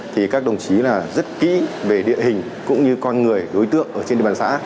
thì các đồng chí rất kỹ về địa hình cũng như con người đối tượng trên địa bàn xã